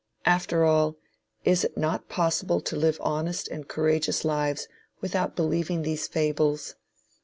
After all, is it not possible to live honest and courageous lives without believing these fables?